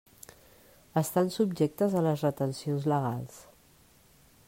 Estan subjectes a les retencions legals.